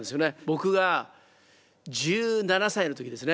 僕が１７歳の時ですね